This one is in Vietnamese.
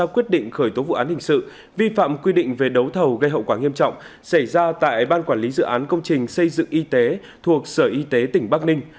quyết định khởi tố vụ án hình sự vi phạm quy định về đấu thầu gây hậu quả nghiêm trọng xảy ra tại ban quản lý dự án công trình xây dựng y tế thuộc sở y tế tỉnh bắc ninh